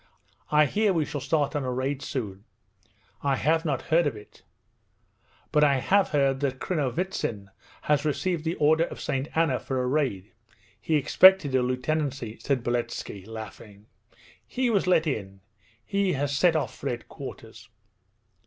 'I hear we shall start on a raid soon.' 'I have not heard of it; but I have heard that Krinovitsin has received the Order of St. Anna for a raid. He expected a lieutenancy,' said Beletski laughing. 'He was let in! He has set off for headquarters.'